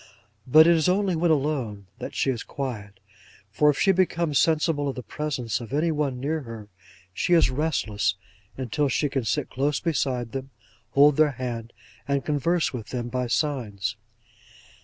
But it is only when alone, that she is quiet: for if she becomes sensible of the presence of any one near her, she is restless until she can sit close beside them, hold their hand, and converse with them by signs.